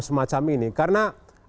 semacam ini karena